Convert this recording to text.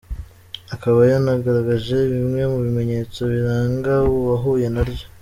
Akaba yanagaragaje bimwe mu bimenyetso biranga uwahuye na ryo.